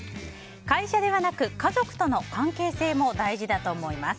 会社ではなく家族との関係性も大事だと思います。